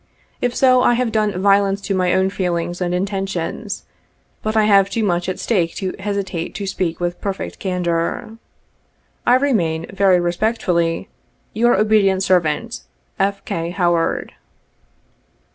If so, I have done violence to my own feelings and intentions, but I have too much at stake to hesitate to speak with perfect candor. "I remain, very respectfully, "Your obedient servant, "F. K. HOWAED.